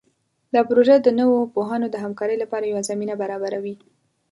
دا پروژه د نوو پوهانو د همکارۍ لپاره یوه زمینه برابروي.